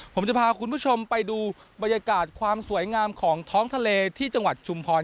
ผมจะพาคุณผู้ชมไปดูบรรยากาศความสวยงามของท้องทะเลที่จังหวัดชุมพร